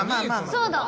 そうだ。